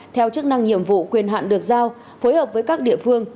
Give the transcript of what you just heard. theo chức năng nhiệm vụ quyền hạn được giao phối hợp với các địa phương